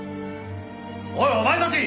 おいお前たち！